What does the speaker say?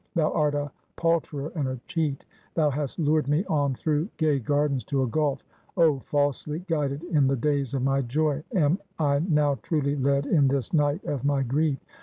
Thou art a palterer and a cheat; thou hast lured me on through gay gardens to a gulf. Oh! falsely guided in the days of my Joy, am I now truly led in this night of my grief?